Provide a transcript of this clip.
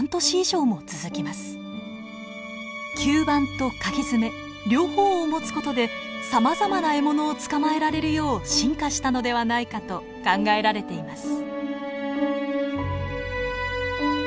吸盤とかぎ爪両方を持つ事でさまざまな獲物を捕まえられるよう進化したのではないかと考えられています。